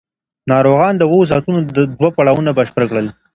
ناروغان د اوو ساعتونو دوه پړاوونه بشپړ کړل.